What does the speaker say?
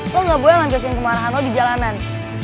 lo nggak boleh lancarsin kemarahan lo di jalanan